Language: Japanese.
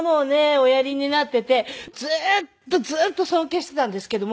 おやりになっていてずっとずっと尊敬していたんですけども。